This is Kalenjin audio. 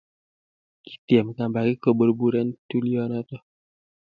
Kitiem kampakik koburburen tuiyonoto